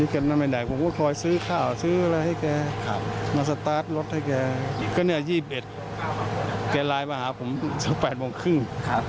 แกไลน์มาหาผมสัก๘โมงครึ่ง